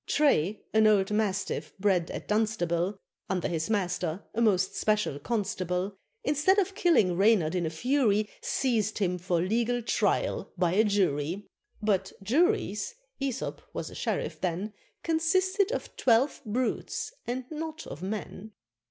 Tray, an old Mastiff bred at Dunstable, Under his Master, a most special constable, Instead of killing Reynard in a fury, Seized him for legal trial by a Jury; But Juries Æsop was a sheriff then Consisted of twelve Brutes and not of Men.